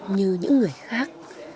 như những người khác